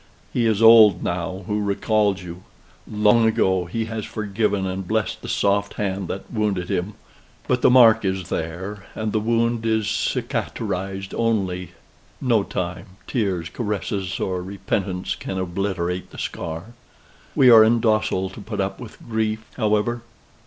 He is old now who recalls you. Long ago he has forgiven and blest the soft hand that wounded him: but the mark is there, and the wound is cicatrized only no time, tears, caresses, or repentance, can obliterate the scar. We are indocile to put up with grief, however.